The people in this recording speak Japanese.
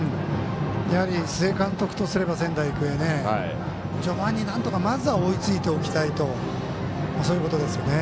やはり須江監督とすれば仙台育英、序盤になんとか追いついておきたいとそういうことですよね。